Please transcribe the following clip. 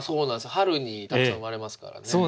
春にたくさん生まれますからね。